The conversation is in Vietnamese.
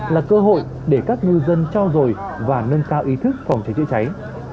là cơ hội để các ngư dân cho rồi và nâng cao ý thức phòng cháy chữa cháy